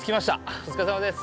お疲れさまです。